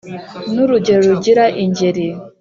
n’urugero rugira ingeri